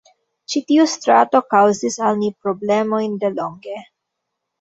Ĉi tiu strato kaŭzis al ni problemojn delonge.